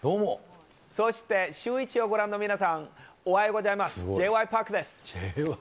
そしてシューイチをご覧の皆さん、おはようございます。